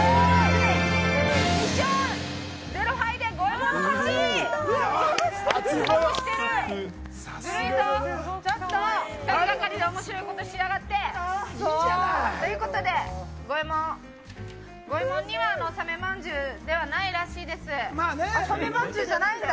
２人がかりで面白いことしやがって。ということでゴエモンゴエモンにはサメまんじゅうではないらしいです。